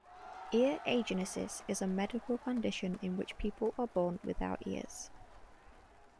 Ear agenesis is a medical condition in which people are born without ears.